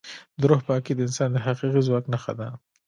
د روح پاکي د انسان د حقیقي ځواک نښه ده.